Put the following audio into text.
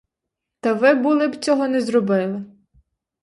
Та ви були б цього не зробили.